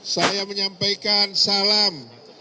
saya menyampaikan salam